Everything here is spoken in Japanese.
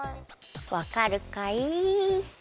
わかるかい？